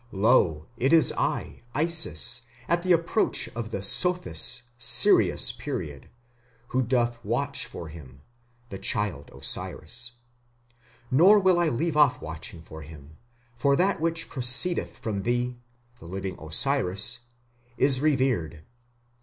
Lo it is I (Isis), at the approach of the Sothis (Sirius) period, who doth watch for him (the child Osiris), Nor will I leave off watching for him; for that which proceedeth from thee (the living Osiris) is revered.